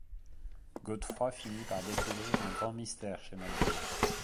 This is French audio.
Godefroid finit par découvrir un grand mystère chez Malvina.